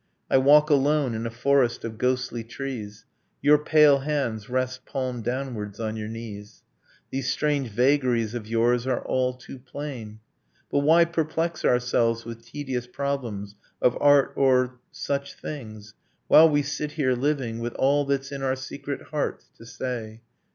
I walk alone in a forest of ghostly trees; Your pale hands rest palm downwards on your knees; These strange vagaries of yours are all too plain. 'But why perplex ourselves with tedious problems Of art or ... such things? ... while we sit here, living, With all that's in our secret hearts to say!